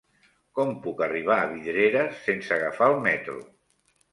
Com puc arribar a Vidreres sense agafar el metro?